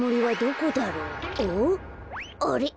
あれ？